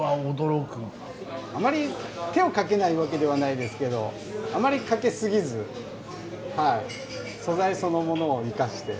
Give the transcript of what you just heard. あまり手をかけないわけではないですけどあまりかけすぎずはい素材そのものを生かして。